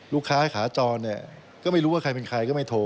ขาจรเนี่ยก็ไม่รู้ว่าใครเป็นใครก็ไม่โทร